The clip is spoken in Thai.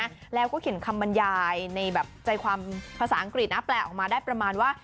แล้วก็เขียนคำบรรยายในแบบใจความภาษาอังกฤษนะแปลออกมาได้ประมาณว่า